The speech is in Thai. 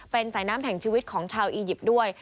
เป็นสายน้ำแห่งชีวิตของชาวอียิปต์ด้วย